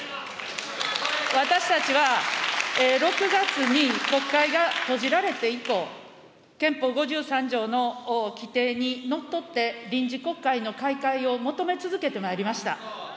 私たちは６月に国会が閉じられて以降、憲法５３条の規定にのっとって、臨時国会の開会を求め続けてまいりました。